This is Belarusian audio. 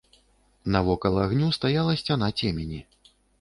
Навокал агню стаяла сцяна цемені.